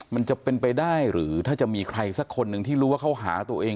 มันจะเป็นไปได้หรือถ้าจะมีใครสักคนหนึ่งที่รู้ว่าเขาหาตัวเอง